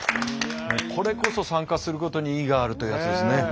これこそ参加することに意義があるというやつですね。